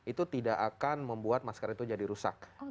itu tidak akan membuat masker itu jadi rusak